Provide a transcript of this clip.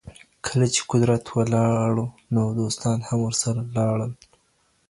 کله چي قدرت ولاړ نو دوستان هم ورسره لاړل.